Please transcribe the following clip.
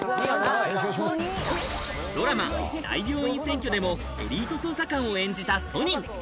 ドラマ『大病院占拠』でもエリート捜査官を演じたソニン。